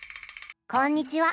⁉こんにちは。